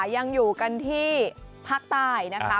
ยังอยู่กันที่พักตายนะคะ